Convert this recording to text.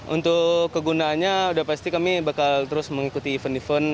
untuk kegunaannya udah pasti kami bakal terus mengikuti event event